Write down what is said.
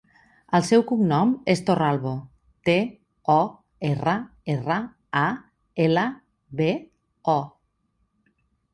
El seu cognom és Torralbo: te, o, erra, erra, a, ela, be, o.